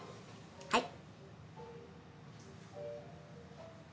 はい。